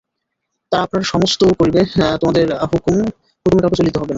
তারা আপনারা সমস্ত করিবে, তোমাদের হুকুমে কাউকে চলিতে হবে না।